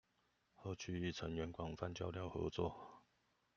和區域成員廣泛交流合作